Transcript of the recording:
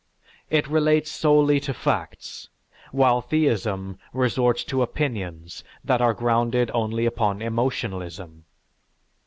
It relates solely to facts, while theism resorts to opinions that are grounded only upon emotionalism.